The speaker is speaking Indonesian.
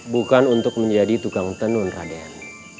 bukan untuk menjadi tukang tenun raden